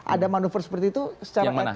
ada manuver seperti itu secara etik yang mana